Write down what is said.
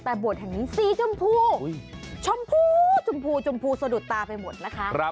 แต่บวชแห่งนี้สีชมพูชมพูชมพูชมพูสะดุดตาไปหมดนะคะ